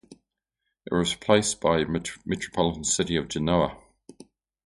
It was replaced by Metropolitan City of Genoa.